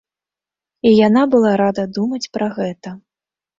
І яна была рада думаць пра гэта.